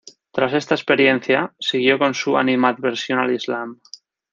Tras esta experiencia siguió con su animadversión al islam.